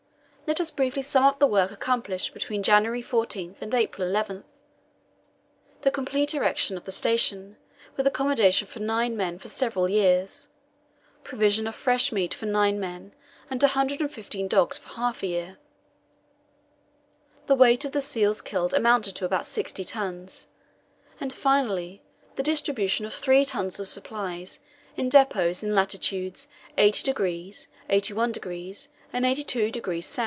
Let us briefly sum up the work accomplished between January 14 and April 11: The complete erection of the station, with accommodation for nine men for several years; provision of fresh meat for nine men and a hundred and fifteen dogs for half a year the weight of the seals killed amounted to about 60 tons; and, finally, the distribution of 3 tons of supplies in the depots in latitudes 80°, 81°, and 82°S.